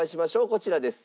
こちらです。